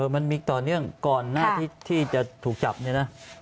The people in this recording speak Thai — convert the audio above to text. มันมีต่อเนื่องก่อนหน้าที่จะถูกจับเนี่ยนะ